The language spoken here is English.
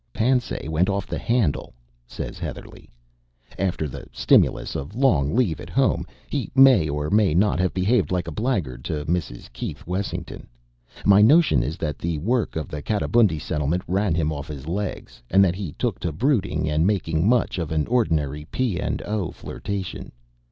"Pansay went off the handle," says Heatherlegh, "after the stimulus of long leave at Home. He may or he may not have behaved like a blackguard to Mrs. Keith Wessington. My notion is that the work of the Katabundi Settlement ran him off his legs, and that he took to brooding and making much of an ordinary P. & O. flirtation.